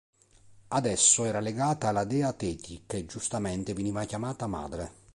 Ad esso era legata la dea Teti, che giustamente veniva chiamata "madre".